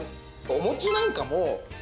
お餅なんかも。